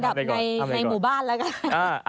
เอาอันดับในหมู่บ้านละกัน